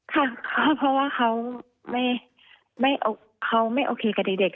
ค่ะเพราะว่าเขาไม่โอเคกับเด็ก